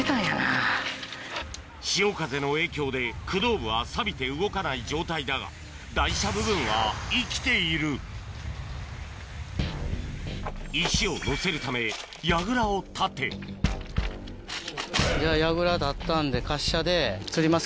潮風の影響で駆動部はサビて動かない状態だが台車部分は生きている石をのせるため櫓を立てじゃあ櫓立ったんで。